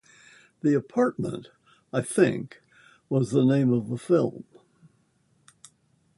"The Apartment", I think, was the name of the film.